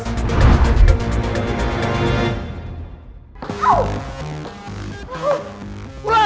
bu lan awas